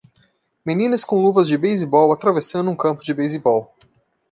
meninas com luvas de beisebol atravessando um campo de beisebol